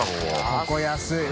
ここ安い！